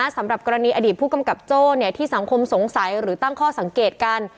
สำหรับกรณีอดีตผู้กำกับโจ้ที่สังคมสงสัยหรือตั้งข้อสังเกตกัน